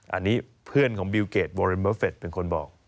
อันนี้เพื่อนของบิวเกรดวอเรมเมอร์เฟสเป็นคนบอก